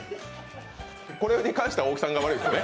これに関しては大木さんが悪いですね。